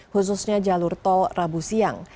khususnya jalur tol rabu siang